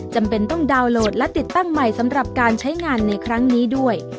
จำเป็นต้องดาวน์โหลดและติดตั้งใหม่สำหรับการใช้งานในครั้งนี้ด้วย